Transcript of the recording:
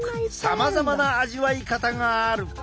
さまざまな味わい方がある。